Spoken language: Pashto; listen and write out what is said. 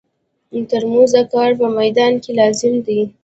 ترموز د کار په مېدان کې لازم دی.